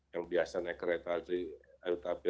yang biasanya kereta api